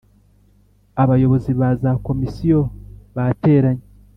Abayobozi ba za Komisiyo bateranye